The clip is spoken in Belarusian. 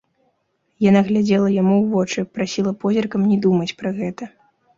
Яна глядзела яму ў вочы, прасіла позіркам не думаць пра гэта.